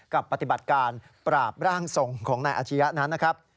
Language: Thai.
ปฏิบัติการปราบร่างทรงของนายอาชียะนั้นนะครับ